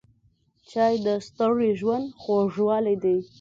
چای د ستړي ژوند خوږوالی دی.